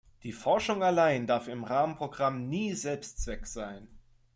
Die Forschung allein darf im Rahmenprogramm nie Selbstzweck sein.